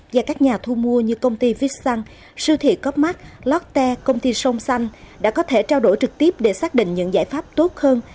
và các nhà thu mua như công ty vistun siêu thị copmark lotte công ty sông xanh đã có thể trao đổi trực tiếp để xác định những giải pháp tốt hơn